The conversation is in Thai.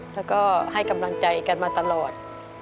แล้วก็ให้กำลังใจกันมาตลอด